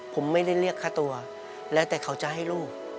ผมไม่ได้เรียกค่าตัวแล้วแต่เขาจะให้ลูก